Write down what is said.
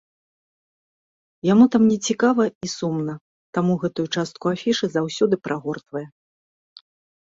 Яму там нецікава і сумна, таму гэтую частку афішы заўсёды прагортвае.